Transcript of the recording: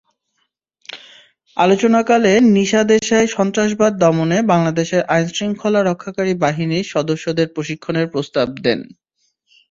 আলোচনাকালে নিশা দেশাই সন্ত্রাসবাদ দমনে বাংলাদেশের আইনশৃঙ্খলা রক্ষাকারী বাহিনীর সদস্যদের প্রশিক্ষণের প্রস্তাব দেন।